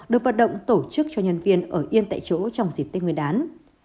được vận động tổ chức cho nhân viên ở yên tại chỗ trong dịp tết nguyên đán